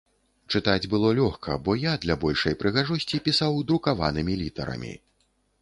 Чытаць было лёгка, бо я для большай прыгажосці пісаў друкаванымі літарамі.